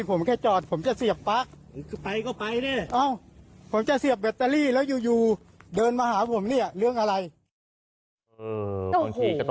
บางทีก็ต้องแยกแยกให้ออกว่าเพียรไลเดอร์ส่งอาหาร